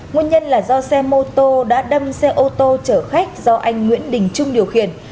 nguyên nhân là do xe mô tô đã đâm xe ô tô chở khách do anh nguyễn đình trung điều khiển